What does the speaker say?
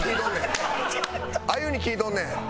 あゆに聞いとんねん！